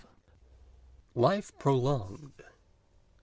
LIFE PROLONGED.